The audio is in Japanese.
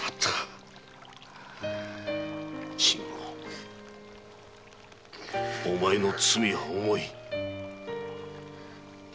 信吾お前の罪は重い。